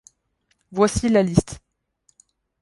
Voici la liste.